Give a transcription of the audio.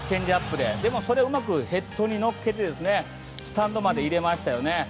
でも、それをうまくヘッドに乗っけてスタンドまで入れましたよね。